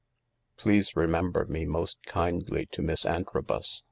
*" Please remember me most kindly to Miss Antro bus.